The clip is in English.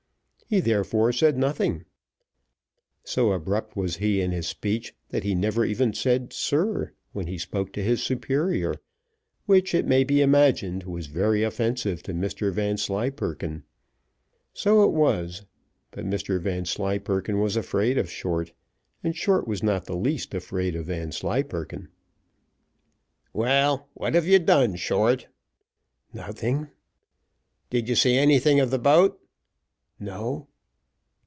He therefore said nothing. So abrupt was he in his speech, that he never even said "Sir," when he spoke to his superior, which it may be imagined was very offensive to Mr Vanslyperken: so it was, but Mr Vanslyperken was afraid of Short, and Short was not the least afraid of Vanslyperken. "Well, what have you done, Short?" "Nothing." "Did you see anything of the boat?" "No."